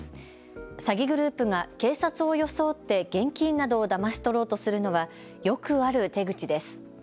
詐欺グループが警察を装って現金などをだまし取ろうとするのはよくある手口です。